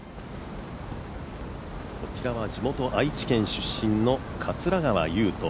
こちらは地元愛知県出身の桂川有人。